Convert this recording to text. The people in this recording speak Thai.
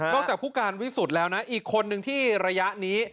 จากผู้การวิสุทธิ์แล้วนะอีกคนนึงที่ระยะนี้